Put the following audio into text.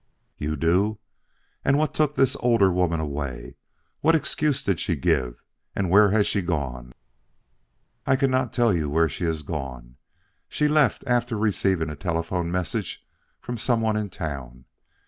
"You do. And what took the older woman away? What excuse did she give, and where has she gone?" "I cannot tell you where she has gone. She left after receiving a telephone message from some one in town.